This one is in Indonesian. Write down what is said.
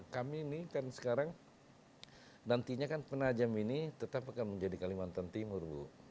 kami ini kan sekarang nantinya kan penajam ini tetap akan menjadi kalimantan timur bu